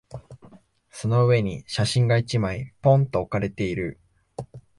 その上に写真が一枚、ぽんと置かれている。